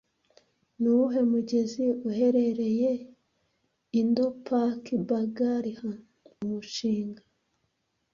Nuwuhe mugezi uherereye Indo- Pak Bagalihar Umushinga